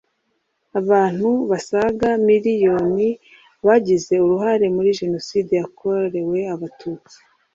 Abantu basaga miliyoni bagize uruhare muri Jenoside yakorewe Abatutsi